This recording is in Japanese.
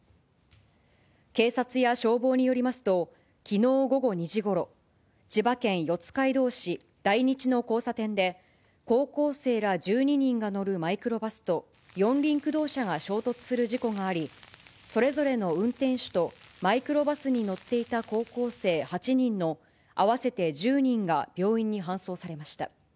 警察や消防によりますと、きのう午後２時ごろ、千葉県四街道市大日の交差点で、高校生ら１２人が乗るマイクロバスと、四輪駆動車が衝突する事故があり、それぞれの運転手と、マイクロバスに乗っていた高校生８人の合わせて１０人が病院に搬送されました。